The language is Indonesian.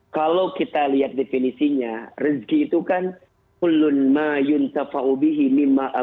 kalau kita lihat definisinya rezeki itu kan